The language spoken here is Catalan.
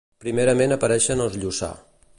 Primerament apareixen els Lluçà.